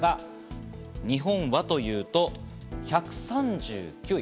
日本はというと１３９位。